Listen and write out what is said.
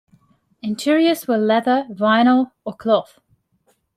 Interiors were leather, vinyl or cloth.